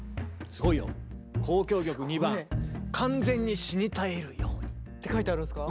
すごい！「完全に死に絶えるように」。って書いてあるんすか？